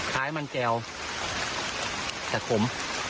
คล้ายมันแจวแต่ขม